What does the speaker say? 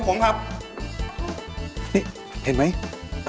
สามารถรับชมได้ทุกวัย